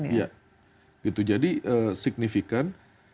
iya gitu jadi signifikan